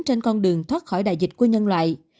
trên con đường thoát khỏi đại dịch của nhân loại